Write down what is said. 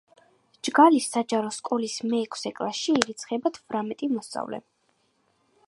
ჯგალის საჯარო სკოლის მეექვსე კლასში ირიცხება თვრამეტი მოსწავლე.